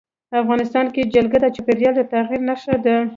افغانستان کې جلګه د چاپېریال د تغیر نښه ده.